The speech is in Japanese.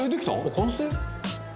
「完成？」